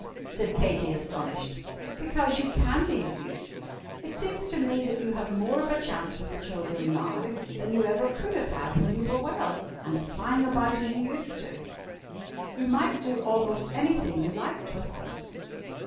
said Katy, astonished. "Because you can be of use. It seems to me that you have more of a chance with the children now, than you ever could have had when you were well, and flying about as you used. You might do almost anything you liked with them."